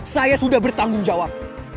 saya sudah bertanggung jawab